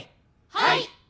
はい！